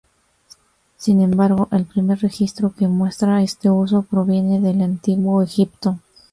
Sin embargo, el primer registro que muestra este uso, proviene del Antiguo Egipto.